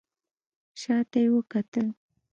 شا ته يې وکتل.